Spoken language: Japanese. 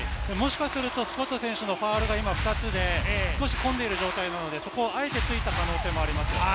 スコット選手のファウルが今２つで、少し混んでいる状態なので、あえてついた可能性もあります。